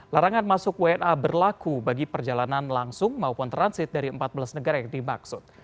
larangan masuk wna berlaku bagi perjalanan langsung maupun transit dari empat belas negara yang dimaksud